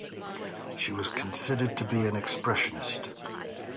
She was considered to be an expressionist.